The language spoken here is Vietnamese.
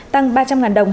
tăng ba trăm linh đồng